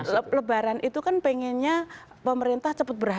jadi lebaran itu kan pengennya pemerintah cepat berhenti